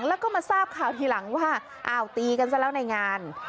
แล้วก็มาทราบข่าวทีหลังว่าอ้าวตีกันซะแล้วในงาน